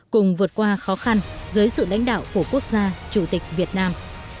cùng vượt qua khó khăn dưới sự lãnh đạo của quốc gia chủ tịch việt nam